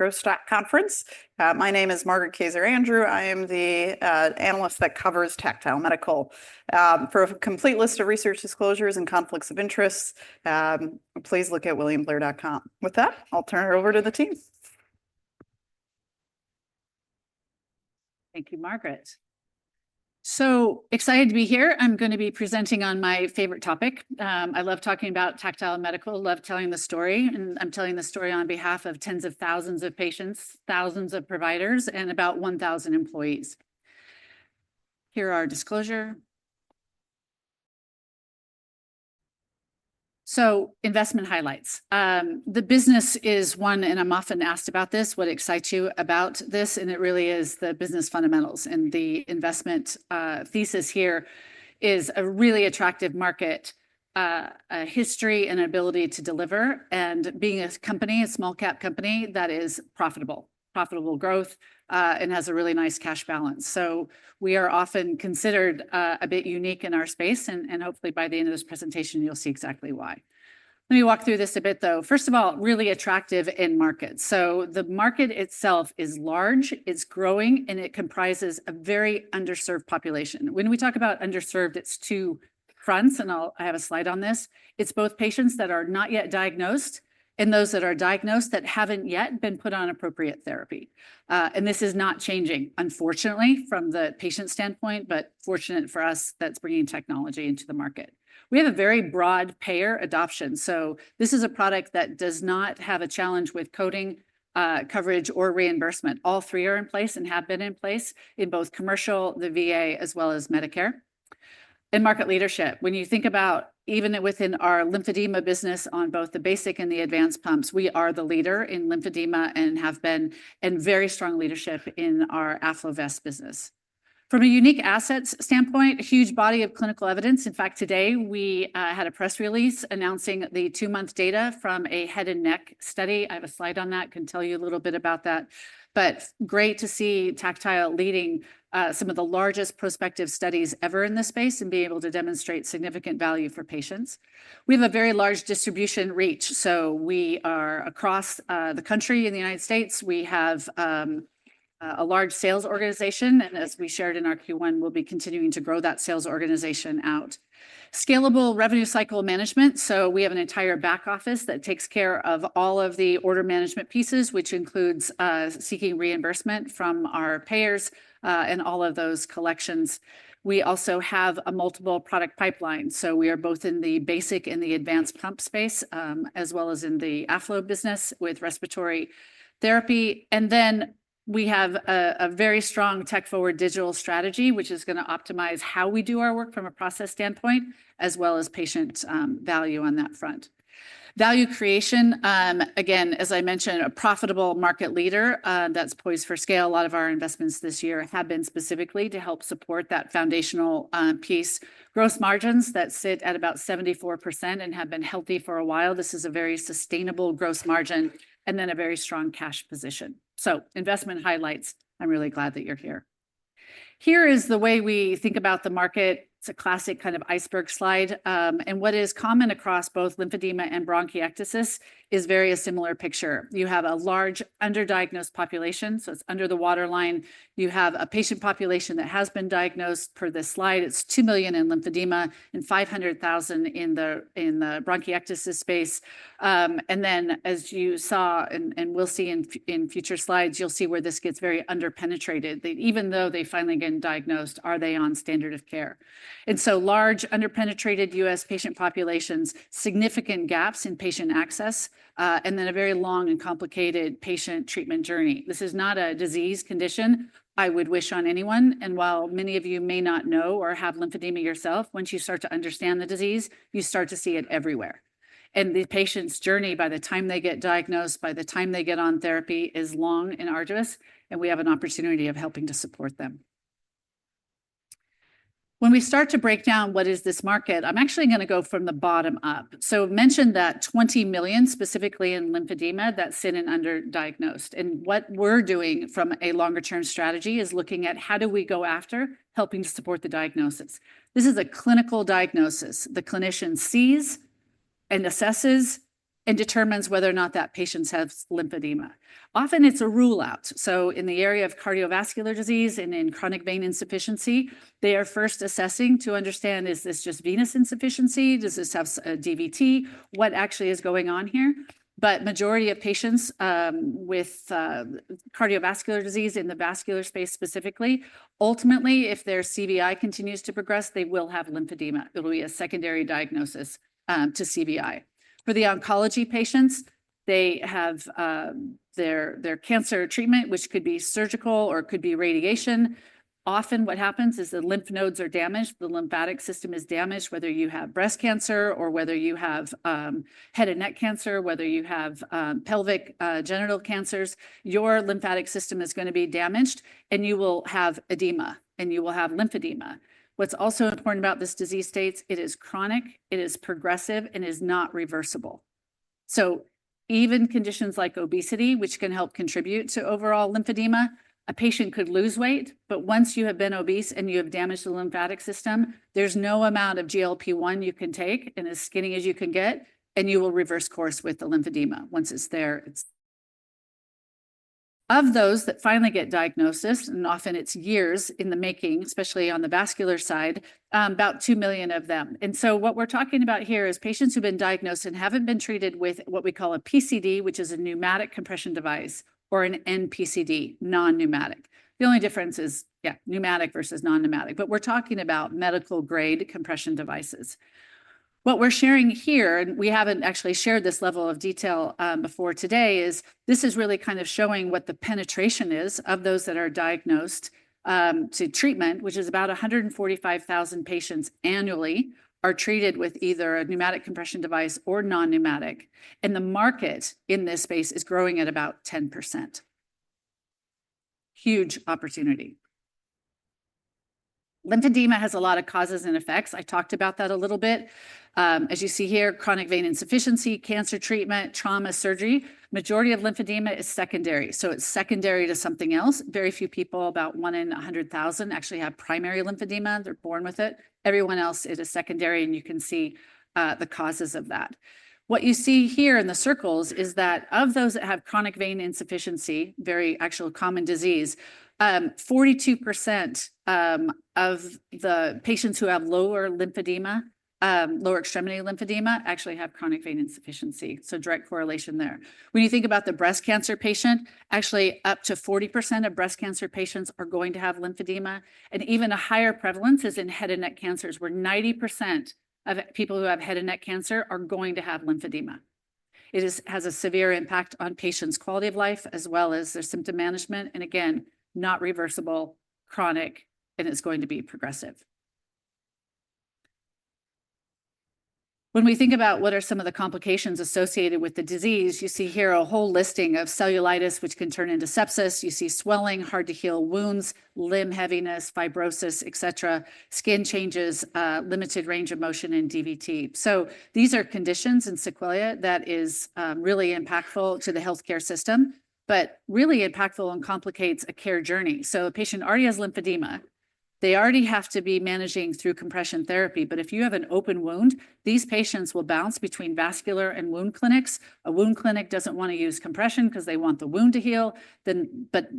Growth Stock Conference. My name is Margaret Kaczor Andrew. I am the analyst that covers Tactile Medical. For a complete list of research disclosures and conflicts of interest, please look at williamblair.com. With that, I'll turn it over to the team. Thank you, Margaret. So excited to be here. I'm going to be presenting on my favorite topic. I love talking about Tactile Medical, love telling the story, and I'm telling the story on behalf of tens of thousands of patients, thousands of providers, and about 1,000 employees. Here are our disclosures. Investment highlights. The business is one—and I'm often asked about this—what excites you about this, and it really is the business fundamentals. The investment thesis here is a really attractive market, a history, and ability to deliver, and being a company, a small-cap company that is profitable, profitable growth, and has a really nice cash balance. We are often considered a bit unique in our space, and hopefully by the end of this presentation, you'll see exactly why. Let me walk through this a bit, though. First of all, really attractive end markets. The market itself is large, it's growing, and it comprises a very underserved population. When we talk about underserved, it's two fronts, and I have a slide on this. It's both patients that are not yet diagnosed and those that are diagnosed that haven't yet been put on appropriate therapy. This is not changing, unfortunately, from the patient standpoint, but fortunate for us, that's bringing technology into the market. We have a very broad payer adoption. This is a product that does not have a challenge with coding, coverage, or reimbursement. All three are in place and have been in place in both commercial, the VA, as well as Medicare. Market leadership. When you think about even within our lymphedema business on both the basic and the advanced pumps, we are the leader in lymphedema and have been in very strong leadership in our AffloVest business. From a unique assets standpoint, a huge body of clinical evidence. In fact, today we had a press release announcing the two-month data from a head and neck study. I have a slide on that. I can tell you a little bit about that. Great to see Tactile leading some of the largest prospective studies ever in this space and being able to demonstrate significant value for patients. We have a very large distribution reach. We are across the country in the United States. We have a large sales organization, and as we shared in our Q1, we will be continuing to grow that sales organization out. Scalable revenue cycle management. We have an entire back office that takes care of all of the order management pieces, which includes seeking reimbursement from our payers and all of those collections. We also have a multiple product pipeline. We are both in the basic and the advanced pump space, as well as in the AffloVest business with respiratory therapy. We have a very strong tech-forward digital strategy, which is going to optimize how we do our work from a process standpoint, as well as patient value on that front. Value creation. Again, as I mentioned, a profitable market leader that's poised for scale. A lot of our investments this year have been specifically to help support that foundational piece. Gross margins that sit at about 74% and have been healthy for a while. This is a very sustainable gross margin and a very strong cash position. Investment highlights. I'm really glad that you're here. Here is the way we think about the market. It's a classic kind of iceberg slide. What is common across both lymphedema and bronchiectasis is a very similar picture. You have a large underdiagnosed population, so it's under the waterline. You have a patient population that has been diagnosed per this slide. It's 2 million in lymphedema and 500,000 in the bronchiectasis space. As you saw and will see in future slides, you'll see where this gets very underpenetrated. Even though they finally get diagnosed, are they on standard of care? Large underpenetrated U.S. patient populations, significant gaps in patient access, and then a very long and complicated patient treatment journey. This is not a disease condition I would wish on anyone. While many of you may not know or have lymphedema yourself, once you start to understand the disease, you start to see it everywhere. The patient's journey, by the time they get diagnosed, by the time they get on therapy, is long and arduous. We have an opportunity of helping to support them. When we start to break down what is this market, I'm actually going to go from the bottom up. Mentioned that 20 million specifically in lymphedema that sit in underdiagnosed. What we're doing from a longer-term strategy is looking at how do we go after helping to support the diagnosis. This is a clinical diagnosis. The clinician sees and assesses and determines whether or not that patient has lymphedema. Often it's a rule out. In the area of cardiovascular disease and in chronic venous insufficiency, they are first assessing to understand, is this just venous insufficiency? Does this have a DVT? What actually is going on here? The majority of patients with cardiovascular disease in the vascular space specifically, ultimately, if their CVI continues to progress, they will have lymphedema. It will be a secondary diagnosis to CVI. For the oncology patients, they have their cancer treatment, which could be surgical or could be radiation. Often what happens is the lymph nodes are damaged. The lymphatic system is damaged. Whether you have breast cancer or whether you have head and neck cancer, whether you have pelvic genital cancers, your lymphatic system is going to be damaged and you will have edema and you will have lymphedema. What's also important about this disease state is, it is chronic, it is progressive, and is not reversible. Even conditions like obesity, which can help contribute to overall lymphedema, a patient could lose weight, but once you have been obese and you have damaged the lymphatic system, there is no amount of GLP-1 you can take and as skinny as you can get, and you will reverse course with the lymphedema once it is there. Of those that finally get diagnosis, and often it is years in the making, especially on the vascular side, about 2 million of them. What we are talking about here is patients who have been diagnosed and have not been treated with what we call a PCD, which is a pneumatic compression device, or an NPCD, non-pneumatic. The only difference is, yeah, pneumatic versus non-pneumatic, but we are talking about medical-grade compression devices. What we're sharing here, and we haven't actually shared this level of detail before today, is this is really kind of showing what the penetration is of those that are diagnosed to treatment, which is about 145,000 patients annually are treated with either a pneumatic compression device or non-pneumatic. The market in this space is growing at about 10%. Huge opportunity. Lymphedema has a lot of causes and effects. I talked about that a little bit. As you see here, chronic venous insufficiency, cancer treatment, trauma, surgery. Majority of lymphedema is secondary. It is secondary to something else. Very few people, about one in 100,000, actually have primary lymphedema. They're born with it. Everyone else, it is secondary, and you can see the causes of that. What you see here in the circles is that of those that have chronic venous insufficiency, very actual common disease, 42% of the patients who have lower lymphedema, lower extremity lymphedema, actually have chronic venous insufficiency. Direct correlation there. When you think about the breast cancer patient, actually up to 40% of breast cancer patients are going to have lymphedema. Even a higher prevalence is in head and neck cancers, where 90% of people who have head and neck cancer are going to have lymphedema. It has a severe impact on patients' quality of life as well as their symptom management. Again, not reversible, chronic, and it's going to be progressive. When we think about what are some of the complications associated with the disease, you see here a whole listing of cellulitis, which can turn into sepsis. You see swelling, hard-to-heal wounds, limb heaviness, fibrosis, et cetera, skin changes, limited range of motion, and DVT. These are conditions and sequelae that are really impactful to the healthcare system, but really impactful and complicate a care journey. A patient already has lymphedema. They already have to be managing through compression therapy. If you have an open wound, these patients will bounce between vascular and wound clinics. A wound clinic does not want to use compression because they want the wound to heal.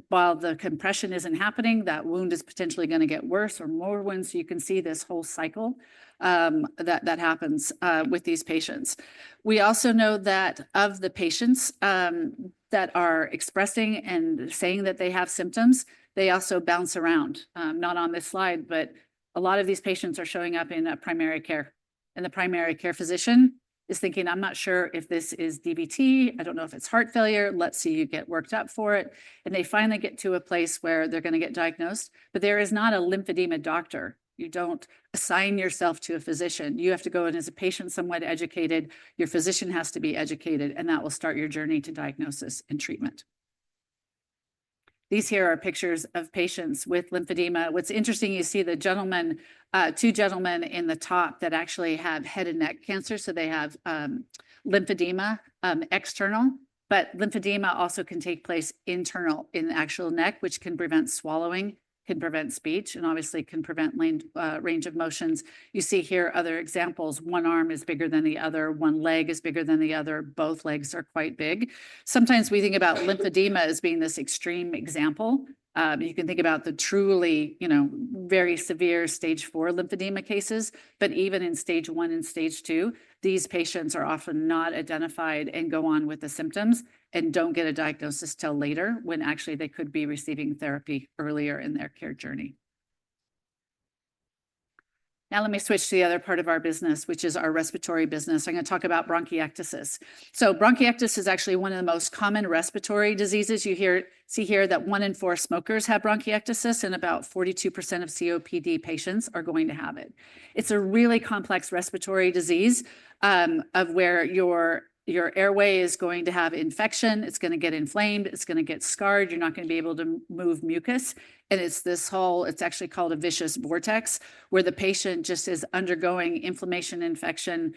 While the compression is not happening, that wound is potentially going to get worse or more wounds. You can see this whole cycle that happens with these patients. We also know that of the patients that are expressing and saying that they have symptoms, they also bounce around. Not on this slide, but a lot of these patients are showing up in primary care. The primary care physician is thinking, "I'm not sure if this is DVT. I don't know if it's heart failure. Let's see you get worked up for it." They finally get to a place where they're going to get diagnosed. There is not a lymphedema doctor. You don't assign yourself to a physician. You have to go in as a patient, somewhat educated. Your physician has to be educated, and that will start your journey to diagnosis and treatment. These here are pictures of patients with lymphedema. What's interesting, you see the gentlemen, two gentlemen in the top that actually have head and neck cancer. They have lymphedema external, but lymphedema also can take place internal in the actual neck, which can prevent swallowing, can prevent speech, and obviously can prevent range of motions. You see here other examples. One arm is bigger than the other. One leg is bigger than the other. Both legs are quite big. Sometimes we think about lymphedema as being this extreme example. You can think about the truly very severe stage four lymphedema cases. Even in stage one and stage two, these patients are often not identified and go on with the symptoms and do not get a diagnosis until later when actually they could be receiving therapy earlier in their care journey. Now let me switch to the other part of our business, which is our respiratory business. I am going to talk about bronchiectasis. Bronchiectasis is actually one of the most common respiratory diseases. You see here that one in four smokers have bronchiectasis, and about 42% of COPD patients are going to have it. It's a really complex respiratory disease of where your airway is going to have infection. It's going to get inflamed. It's going to get scarred. You're not going to be able to move mucus. It's this whole, it's actually called a vicious vortex where the patient just is undergoing inflammation, infection,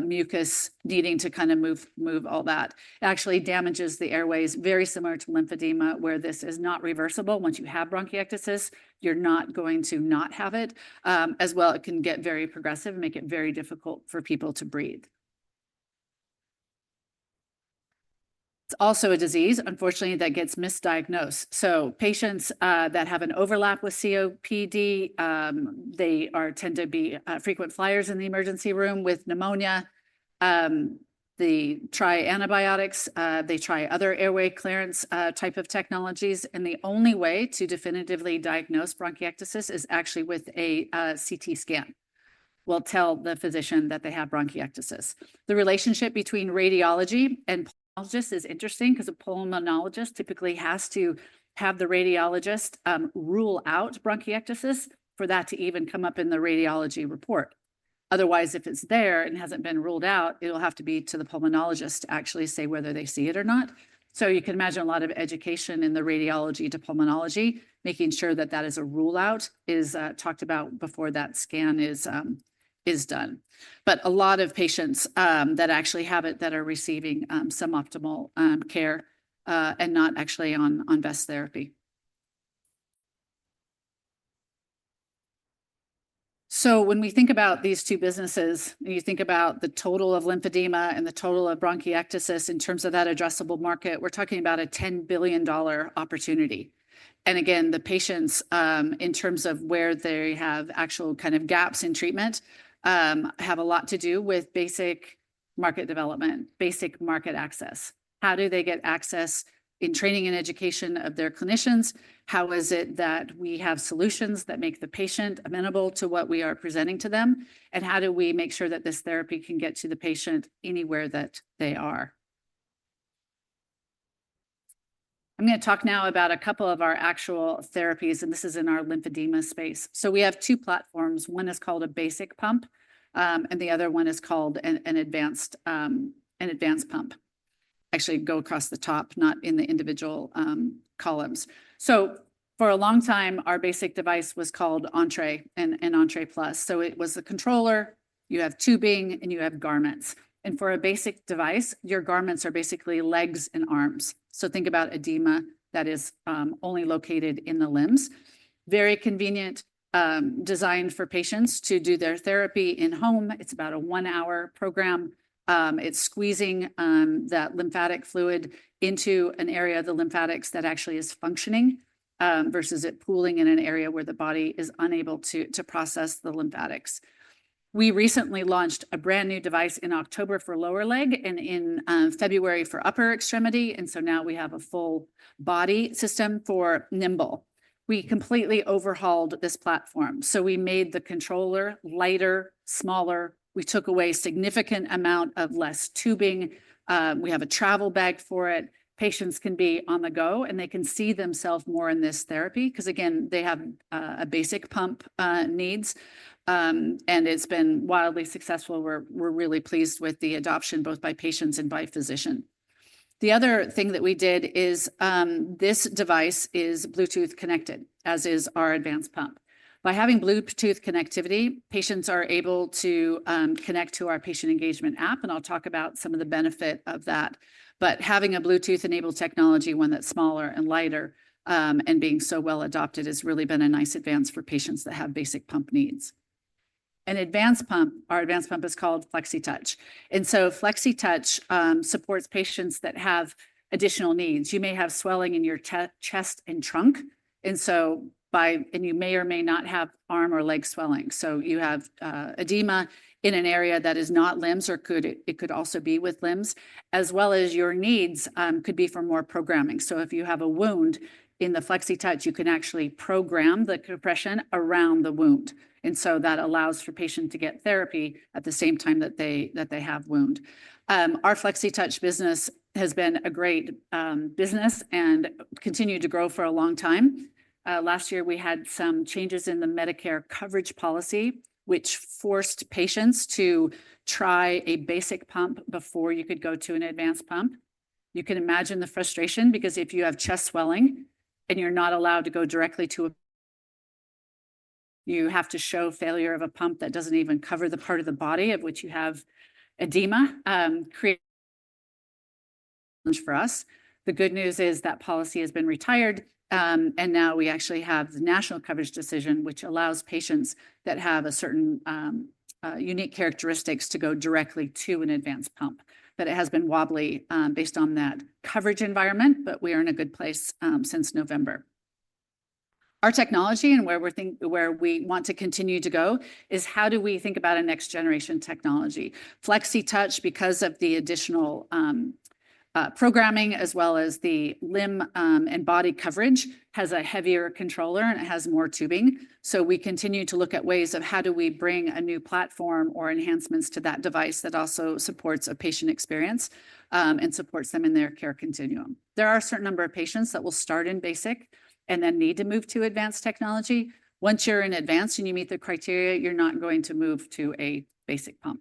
mucus needing to kind of move all that. It actually damages the airways, very similar to lymphedema, where this is not reversible. Once you have bronchiectasis, you're not going to not have it. As well, it can get very progressive and make it very difficult for people to breathe. It's also a disease, unfortunately, that gets misdiagnosed. Patients that have an overlap with COPD, they tend to be frequent flyers in the emergency room with pneumonia. They try antibiotics. They try other airway clearance type of technologies. The only way to definitively diagnose bronchiectasis is actually with a CT scan. That will tell the physician that they have bronchiectasis. The relationship between radiology and pulmonologist is interesting because a pulmonologist typically has to have the radiologist rule out bronchiectasis for that to even come up in the radiology report. Otherwise, if it is there and has not been ruled out, it will have to be to the pulmonologist to actually say whether they see it or not. You can imagine a lot of education in the radiology to pulmonology, making sure that that is a rule out is talked about before that scan is done. A lot of patients actually have it that are receiving suboptimal care and not actually on best therapy. When we think about these two businesses, you think about the total of lymphedema and the total of bronchiectasis in terms of that addressable market, we're talking about a $10 billion opportunity. Again, the patients in terms of where they have actual kind of gaps in treatment have a lot to do with basic market development, basic market access. How do they get access in training and education of their clinicians? How is it that we have solutions that make the patient amenable to what we are presenting to them? How do we make sure that this therapy can get to the patient anywhere that they are? I'm going to talk now about a couple of our actual therapies, and this is in our lymphedema space. We have two platforms. One is called a basic pump, and the other one is called an advanced pump. Actually, go across the top, not in the individual columns. For a long time, our basic device was called Entree and Entree Plus. It was a controller. You have tubing and you have garments. For a basic device, your garments are basically legs and arms. Think about edema that is only located in the limbs. Very convenient design for patients to do their therapy in home. It is about a one-hour program. It is squeezing that lymphatic fluid into an area of the lymphatics that actually is functioning versus it pooling in an area where the body is unable to process the lymphatics. We recently launched a brand new device in October for lower leg and in February for upper extremity. Now we have a full body system for Nimble. We completely overhauled this platform. We made the controller lighter, smaller. We took away a significant amount of less tubing. We have a travel bag for it. Patients can be on the go and they can see themselves more in this therapy because, again, they have basic pump needs. It's been wildly successful. We're really pleased with the adoption both by patients and by physicians. The other thing that we did is this device is Bluetooth connected, as is our advanced pump. By having Bluetooth connectivity, patients are able to connect to our patient engagement app, and I'll talk about some of the benefit of that. Having a Bluetooth-enabled technology, one that's smaller and lighter and being so well adopted has really been a nice advance for patients that have basic pump needs. An advanced pump, our advanced pump is called Flexitouch. Flexitouch supports patients that have additional needs. You may have swelling in your chest and trunk. You may or may not have arm or leg swelling. You have edema in an area that is not limbs or it could also be with limbs, as well as your needs could be for more programming. If you have a wound in the Flexitouch, you can actually program the compression around the wound. That allows for patients to get therapy at the same time that they have wound. Our Flexitouch business has been a great business and continued to grow for a long time. Last year, we had some changes in the Medicare coverage policy, which forced patients to try a basic pump before you could go to an advanced pump. You can imagine the frustration because if you have chest swelling and you're not allowed to go directly to a, you have to show failure of a pump that doesn't even cover the part of the body of which you have edema created for us. The good news is that policy has been retired, and now we actually have the national coverage decision, which allows patients that have a certain unique characteristics to go directly to an advanced pump. It has been wobbly based on that coverage environment, but we are in a good place since November. Our technology and where we want to continue to go is how do we think about a next-generation technology. Flexitouch, because of the additional programming as well as the limb and body coverage, has a heavier controller and it has more tubing. We continue to look at ways of how do we bring a new platform or enhancements to that device that also supports a patient experience and supports them in their care continuum. There are a certain number of patients that will start in basic and then need to move to advanced technology. Once you're in advanced and you meet the criteria, you're not going to move to a basic pump.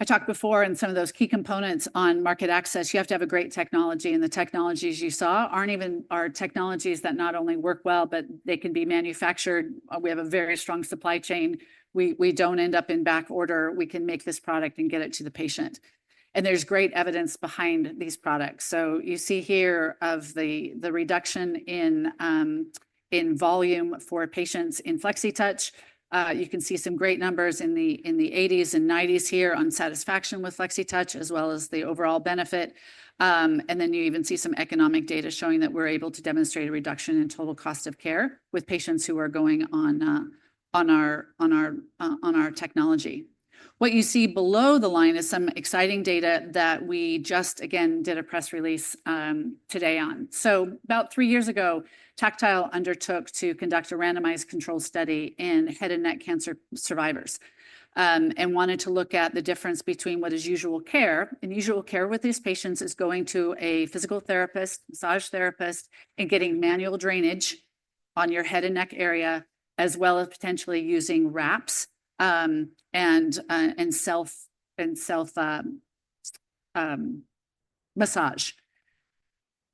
I talked before in some of those key components on market access. You have to have a great technology, and the technologies you saw aren't even our technologies that not only work well, but they can be manufactured. We have a very strong supply chain. We don't end up in back order. We can make this product and get it to the patient. There is great evidence behind these products. You see here the reduction in volume for patients in Flexitouch. You can see some great numbers in the 80s and 90s here on satisfaction with Flexitouch as well as the overall benefit. You even see some economic data showing that we're able to demonstrate a reduction in total cost of care with patients who are going on our technology. What you see below the line is some exciting data that we just, again, did a press release today on. About three years ago, Tactile undertook to conduct a randomized control study in head and neck cancer survivors and wanted to look at the difference between what is usual care. Usual care with these patients is going to a physical therapist, massage therapist, and getting manual drainage on your head and neck area as well as potentially using wraps and self-massage.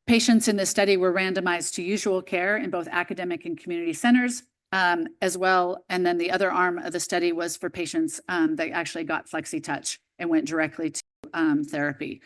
Patients in this study were randomized to usual care in both academic and community centers as well. The other arm of the study was for patients that actually got Flexitouch and went directly to therapy.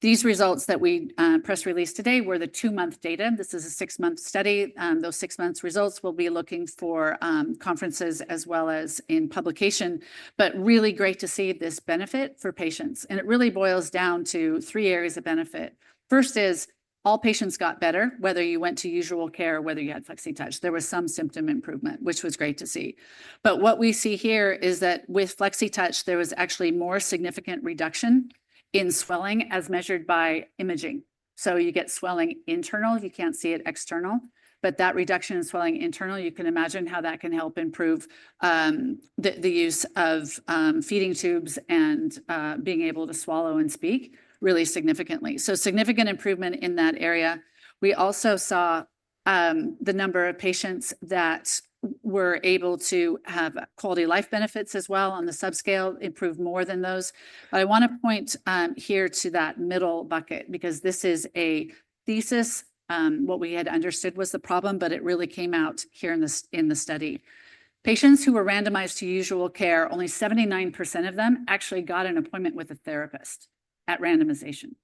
These results that we press released today were the two-month data. This is a six-month study. Those six-month results will be looking for conferences as well as in publication. It is really great to see this benefit for patients. It really boils down to three areas of benefit. First is all patients got better, whether you went to usual care or whether you had Flexitouch. There was some symptom improvement, which was great to see. What we see here is that with Flexitouch, there was actually more significant reduction in swelling as measured by imaging. You get swelling internal. You cannot see it external. That reduction in swelling internal, you can imagine how that can help improve the use of feeding tubes and being able to swallow and speak really significantly. Significant improvement in that area. We also saw the number of patients that were able to have quality life benefits as well on the subscale improve more than those. I want to point here to that middle bucket because this is a thesis. What we had understood was the problem, but it really came out here in the study. Patients who were randomized to usual care, only 79% of them actually got an appointment with a therapist at randomization.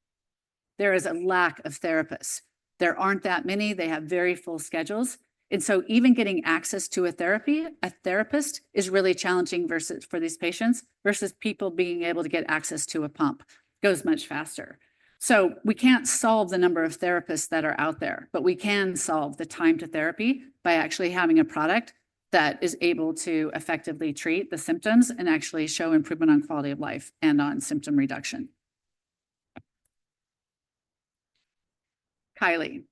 There is a lack of therapists. There aren't that many. They have very full schedules. Even getting access to a therapy, a therapist is really challenging for these patients versus people being able to get access to a pump. It goes much faster. We can't solve the number of therapists that are out there, but we can solve the time to therapy by actually having a product that is able to effectively treat the symptoms and actually show improvement on quality of life and on symptom reduction. Kylie.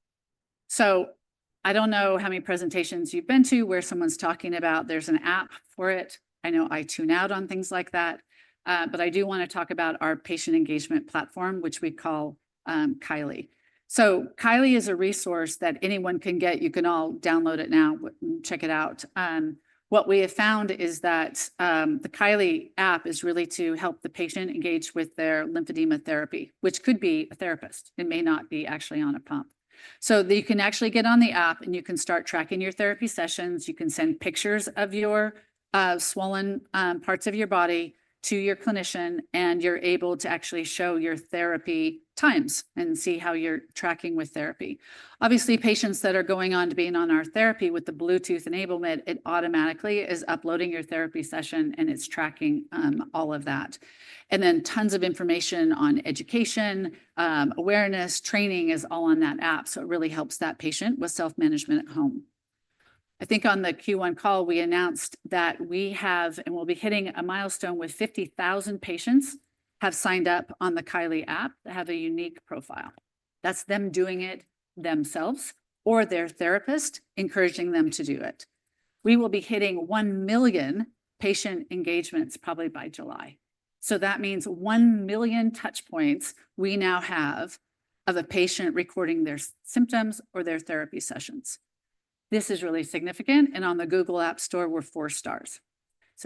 I don't know how many presentations you've been to where someone's talking about there's an app for it. I know I tune out on things like that. I do want to talk about our patient engagement platform, which we call Kylie. Kylie is a resource that anyone can get. You can all download it now and check it out. What we have found is that the Kylie app is really to help the patient engage with their lymphedema therapy, which could be a therapist and may not be actually on a pump. You can actually get on the app and you can start tracking your therapy sessions. You can send pictures of your swollen parts of your body to your clinician, and you're able to actually show your therapy times and see how you're tracking with therapy. Obviously, patients that are going on to being on our therapy with the Bluetooth enablement, it automatically is uploading your therapy session and it's tracking all of that. Tons of information on education, awareness, training is all on that app. It really helps that patient with self-management at home. I think on the Q1 call, we announced that we have and we'll be hitting a milestone with 50,000 patients who have signed up on the Kylie app that have a unique profile. That's them doing it themselves or their therapist encouraging them to do it. We will be hitting 1 million patient engagements probably by July. That means 1 million touch points we now have of a patient recording their symptoms or their therapy sessions. This is really significant. On the Google App Store, we're four stars.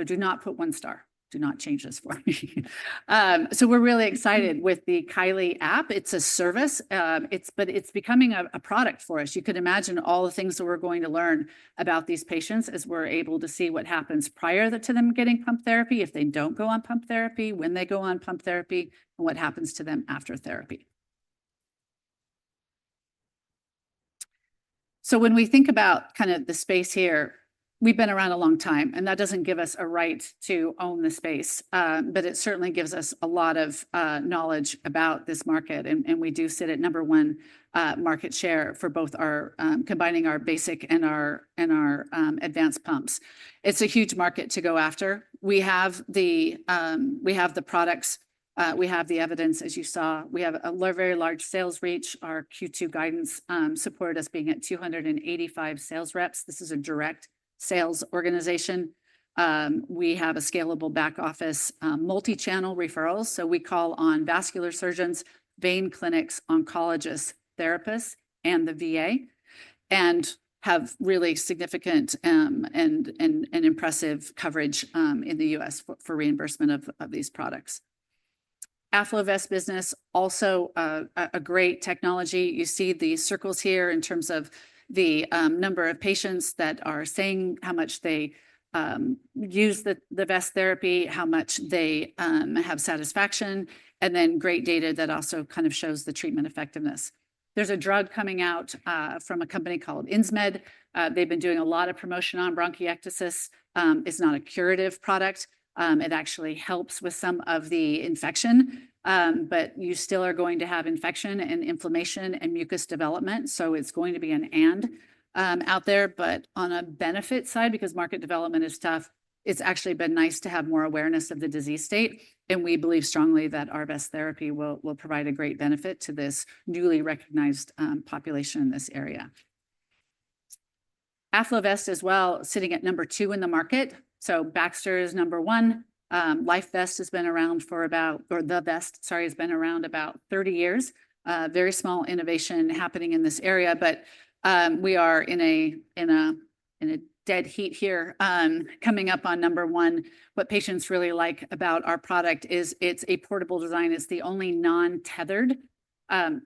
Do not put one star. Do not change this for me. We're really excited with the Kylie app. It's a service, but it's becoming a product for us. You could imagine all the things that we're going to learn about these patients as we're able to see what happens prior to them getting pump therapy, if they do not go on pump therapy, when they go on pump therapy, and what happens to them after therapy. When we think about kind of the space here, we've been around a long time, and that doesn't give us a right to own the space, but it certainly gives us a lot of knowledge about this market. We do sit at number one market share for both combining our basic and our advanced pumps. It's a huge market to go after. We have the products. We have the evidence, as you saw. We have a very large sales reach. Our Q2 guidance supported us being at 285 sales reps. This is a direct sales organization. We have a scalable back office, multi-channel referrals. We call on vascular surgeons, vein clinics, oncologists, therapists, and the VA and have really significant and impressive coverage in the U.S. for reimbursement of these products. AffloVest business, also a great technology. You see the circles here in terms of the number of patients that are saying how much they use the best therapy, how much they have satisfaction, and then great data that also kind of shows the treatment effectiveness. There is a drug coming out from a company called Insmed. They have been doing a lot of promotion on bronchiectasis. It is not a curative product. It actually helps with some of the infection, but you still are going to have infection and inflammation and mucus development. It is going to be an and out there. On a benefit side, because market development is tough, it has actually been nice to have more awareness of the disease state. We believe strongly that our best therapy will provide a great benefit to this newly recognized population in this area. AffloVest as well, sitting at number two in the market. Baxter is number one. AffloVest has been around for about, or the vest, sorry, has been around about 30 years. Very small innovation happening in this area, but we are in a dead heat here coming up on number one. What patients really like about our product is it's a portable design. It's the only non-tethered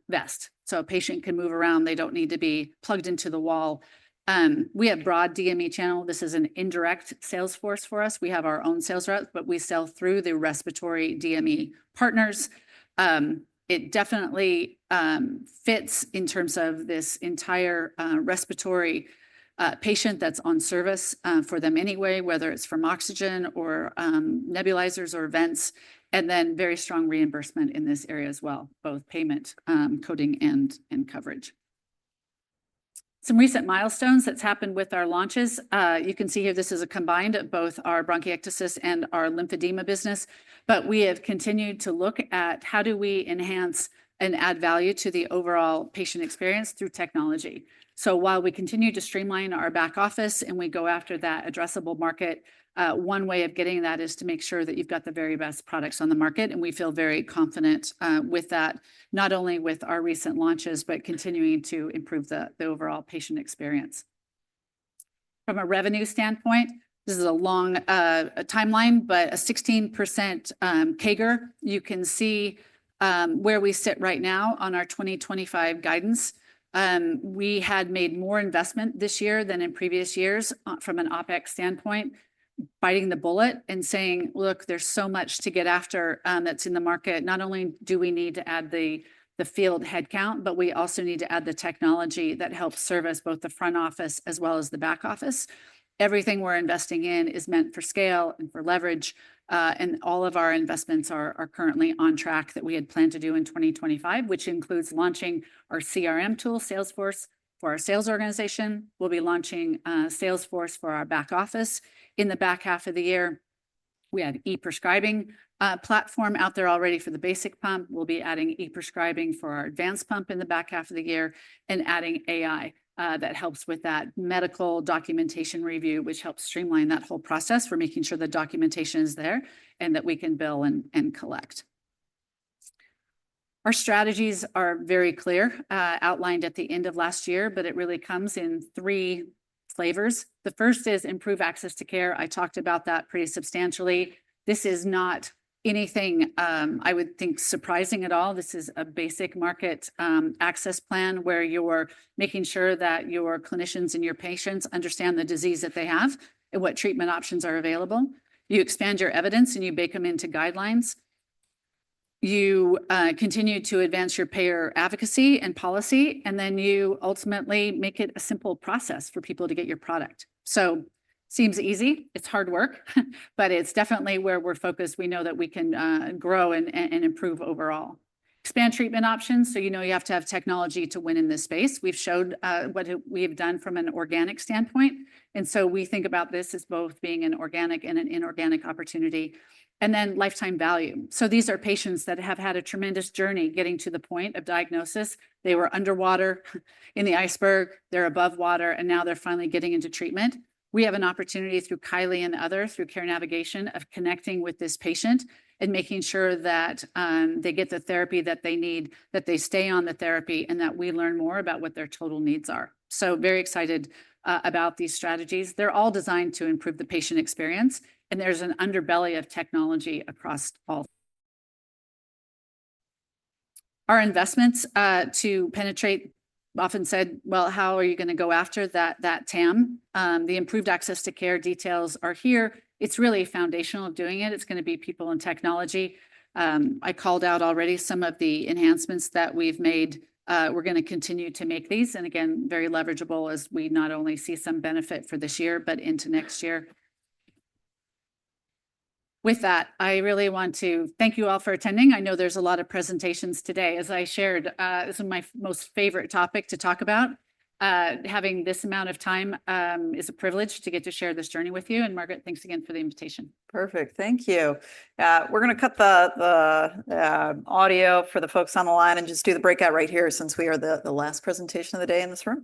vest. A patient can move around. They don't need to be plugged into the wall. We have broad DME channel. This is an indirect sales force for us. We have our own sales routes, but we sell through the respiratory DME partners. It definitely fits in terms of this entire respiratory patient that's on service for them anyway, whether it's from oxygen or nebulizers or vents. Very strong reimbursement in this area as well, both payment, coding, and coverage. Some recent milestones that's happened with our launches. You can see here, this is a combined of both our bronchiectasis and our lymphedema business. We have continued to look at how do we enhance and add value to the overall patient experience through technology. While we continue to streamline our back office and we go after that addressable market, one way of getting that is to make sure that you've got the very best products on the market. We feel very confident with that, not only with our recent launches, but continuing to improve the overall patient experience. From a revenue standpoint, this is a long timeline, but a 16% CAGR. You can see where we sit right now on our 2025 guidance. We had made more investment this year than in previous years from an OpEx standpoint, biting the bullet and saying, "Look, there's so much to get after that's in the market. Not only do we need to add the field headcount, but we also need to add the technology that helps service both the front office as well as the back office. Everything we're investing in is meant for scale and for leverage. All of our investments are currently on track that we had planned to do in 2025, which includes launching our CRM tool, Salesforce, for our sales organization. We'll be launching Salesforce for our back office. In the back half of the year, we had e-prescribing platform out there already for the basic pump. We'll be adding e-prescribing for our advanced pump in the back half of the year and adding AI that helps with that medical documentation review, which helps streamline that whole process. We're making sure the documentation is there and that we can bill and collect. Our strategies are very clear, outlined at the end of last year, but it really comes in three flavors. The first is improve access to care. I talked about that pretty substantially. This is not anything I would think surprising at all. This is a basic market access plan where you're making sure that your clinicians and your patients understand the disease that they have and what treatment options are available. You expand your evidence and you bake them into guidelines. You continue to advance your payer advocacy and policy, and then you ultimately make it a simple process for people to get your product. It seems easy. It's hard work, but it's definitely where we're focused. We know that we can grow and improve overall. Expand treatment options. You know you have to have technology to win in this space. We've showed what we've done from an organic standpoint. We think about this as both being an organic and an inorganic opportunity. Then lifetime value. These are patients that have had a tremendous journey getting to the point of diagnosis. They were underwater in the iceberg. They're above water, and now they're finally getting into treatment. We have an opportunity through Kylie and others, through care navigation, of connecting with this patient and making sure that they get the therapy that they need, that they stay on the therapy, and that we learn more about what their total needs are. Very excited about these strategies. They're all designed to improve the patient experience, and there's an underbelly of technology across all. Our investments to penetrate often said, "How are you going to go after that, TAM?" The improved access to care details are here. It's really foundational of doing it. It's going to be people and technology. I called out already some of the enhancements that we've made. We're going to continue to make these, and again, very leverageable as we not only see some benefit for this year, but into next year. With that, I really want to thank you all for attending. I know there's a lot of presentations today. As I shared, this is my most favorite topic to talk about. Having this amount of time is a privilege to get to share this journey with you. And Margaret, thanks again for the invitation. Perfect. Thank you. We're going to cut the audio for the folks on the line and just do the breakout right here since we are the last presentation of the day in this room.